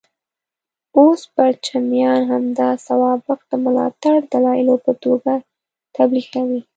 اوس پرچمیان همدا سوابق د ملاتړ دلایلو په توګه تبلیغوي.